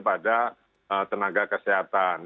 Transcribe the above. pada tenaga kesehatan